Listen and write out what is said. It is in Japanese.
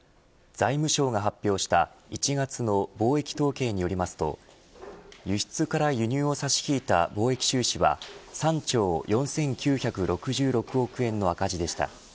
財務省が発表した１月の貿易統計によりますと輸出から輸入を差し引いた貿易収支は３兆４９６６億円の赤字でした。